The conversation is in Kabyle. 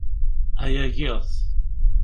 Aya giɣ-t.